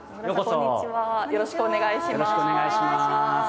よろしくお願いします。